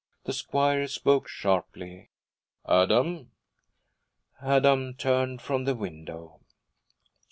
The squire spoke sharply. 'Adam!' Adam turned from the window.